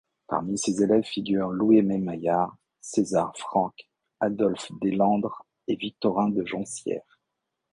Parmi ses élèves figurent Louis-Aimé Maillart, César Franck, Adolphe Deslandres et Victorin de Joncières.